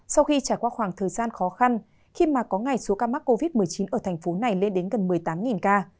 sau khi trải qua khoảng thời gian khó khăn khi mà có ngày số ca mắc covid một mươi chín ở thành phố này lên đến gần một mươi tám ca